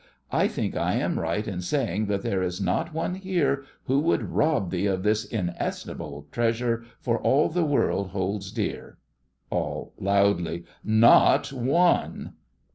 I think I am right in saying that there is not one here who would rob thee of this inestimable treasure for all the world holds dear. ALL: (loudly) Not one!